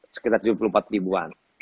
sekitar tujuh puluh empat ribuan